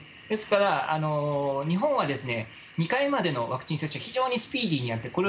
ですから、日本は２回までのワクチン接種は非常スピーディーにやった。